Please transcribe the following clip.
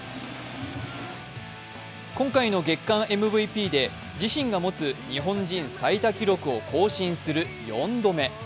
今回の月間ＭＶＰで自身が持つ日本人最多記録を更新する４度目。